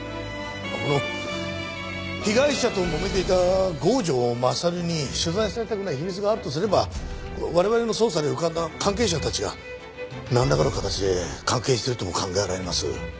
この被害者ともめていた郷城勝に取材されたくない秘密があるとすれば我々の捜査で浮かんだ関係者たちがなんらかの形で関係しているとも考えられます。